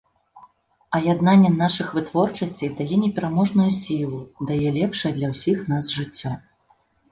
А яднанне нашых вытворчасцей дае непераможную сілу, дае лепшае для ўсіх нас жыццё.